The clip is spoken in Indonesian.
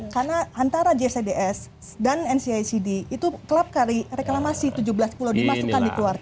karena antara jcds dan ncicd itu kelab reklamasi tujuh belas pulau dimasukkan dikeluarkan